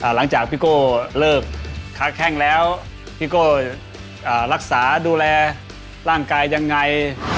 หลังจากพี่โก้เลิกค้าแข้งแล้วพี่โก้รักษาดูแลร่างกายยังไง